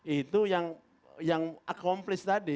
itu yang accomplished tadi